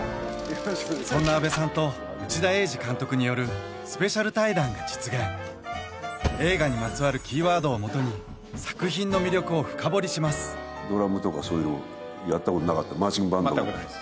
そんな阿部さんと内田英治監督によるスペシャル対談が実現映画にまつわるキーワードをもとに作品の魅力を深掘りしますドラムとかそういうのやったことなかったマーチングバンド全くないです